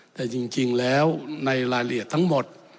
แต่จริงแล้วในรายละเอียดทั้งหมด